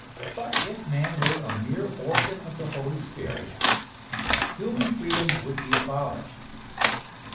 " But if man were a mere organ of the Holy Spirit, human freedom would be abolished!"